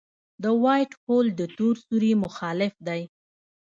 د وائټ هول د تور سوري مخالف دی.